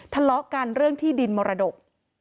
ทะเลาะกันเรื่องที่ดินมรดก